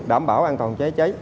đảm bảo an toàn cháy cháy